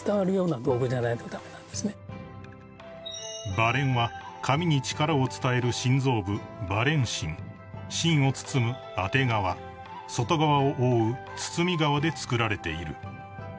［ばれんは紙に力を伝える心臓部ばれん芯芯を包む当て皮外側を覆う包み皮で作られている］